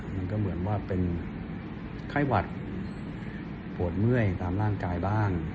มันก็เหมือนว่าเป็นไข้หวัดปวดเมื่อยตามร่างกายบ้าง